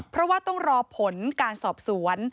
เพราะว่าต้องรอผลการสอบสวน